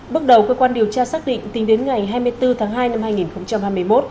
bước đầu cơ quan điều tra xác định tính đến ngày hai mươi bốn tháng hai năm hai nghìn hai mươi một